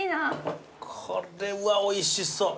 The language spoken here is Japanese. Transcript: これはおいしそう。